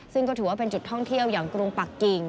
ซึ่งก็ถือว่าเป็นจุดท่องเที่ยวอย่างกรุงปักกิ่ง